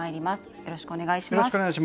よろしくお願いします。